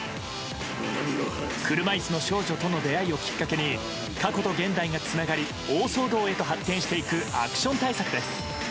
車椅子の少女との出会いをきっかけに過去と現代がつながり大騒動へと発展していくアクション大作です。